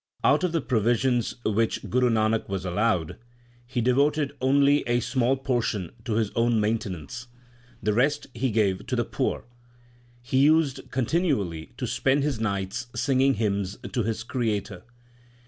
Out of the provisions which Guru Nanak was allowed, he devoted only a small portion to his own main tenance ; the rest he gave to the poor. He used continually to spend his nights singing hymns to his Creator.